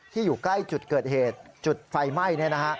ที่อยู่ใกล้จุดเกิดเหตุจุดไฟใหม่นี่นะฮะ